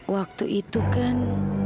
waktu itu kan